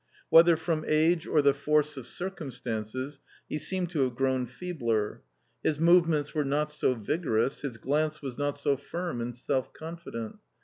Whether from age or the force of circum stances, he seemed to have grown feebler. His movements were not so vigorous, his glance was not so firm and self confident.